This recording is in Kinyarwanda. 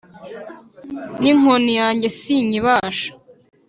n’inkoni yanjye sinyibasha